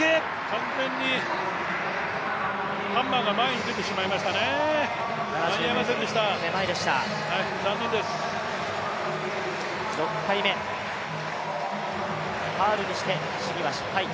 完全にハンマーが前に出てしまいましたね、間に合いませんでした、６回目、ファウルにして試技は失敗。